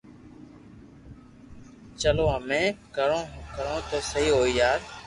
چلو ھمي ڪاوو ڪرو تو سھي ھوئي يار